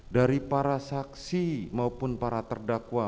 dari para saksi maupun para terdakwa